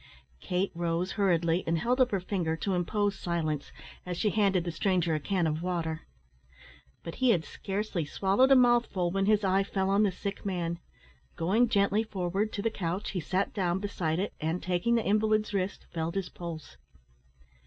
Kate rose hurriedly, and held up her finger to impose silence, as she handed the stranger a can of water. But he had scarcely swallowed a mouthful when his eye fell on the sick man. Going gently forward to the couch, he sat down beside it, and, taking the invalid's wrist, felt his pulse.